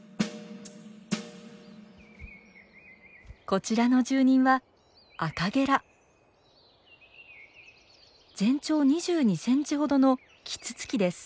こちらの住人は全長２２センチほどのキツツキです。